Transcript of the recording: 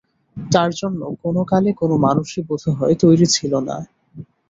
তার জন্যে কোনোকালে কোনো মানুষই বোধহয় তৈরি ছিল না।